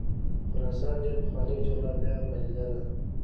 خراسان ډېره پخوانۍ جغرافیایي پدیده ده.